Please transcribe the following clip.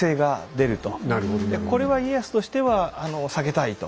これは家康としては避けたいと。